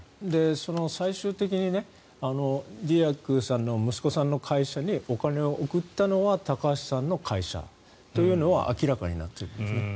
最終的にディアクさんの息子さんの会社にお金を送ったのは高橋さんの会社というのは明らかになっているんですね。